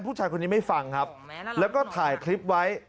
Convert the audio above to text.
ผู้ชายคนนี้ไม่ฟังครับแล้วก็ถ่ายคลิปไว้